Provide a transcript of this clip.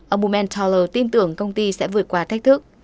ông bumenthaler tin tưởng công ty sẽ vượt qua thách thức